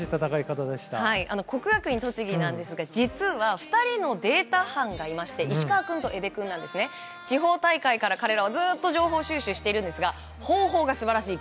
国学院栃木ですが実は２人のデータ班がいまして石川君と江部君なんです。地方大会から彼らはずっと情報収集しているんですが方法が素晴らしい。